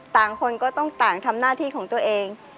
ต่างคนก็ต้องต่างทำหน้าที่ของตัวเอง